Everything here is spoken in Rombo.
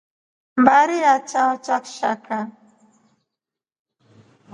Mbari ya chao cha kshaka.